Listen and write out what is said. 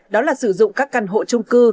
đó là sử dụng các căn hộ trung cư